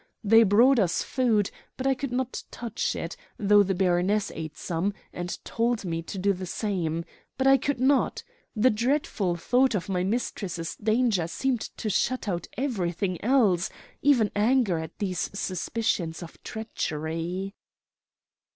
They brought us food, but I could not touch it, though the baroness ate some, and told me to do the same. But I could not. The dreadful thought of my mistress' danger seemed to shut out everything else, even anger at these suspicions of treachery."